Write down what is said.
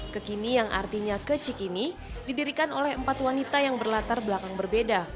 kekini yang artinya kecik ini didirikan oleh empat wanita yang berlatar belakang berbeda